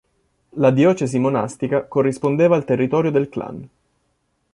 La diocesi monastica corrispondeva al territorio del clan.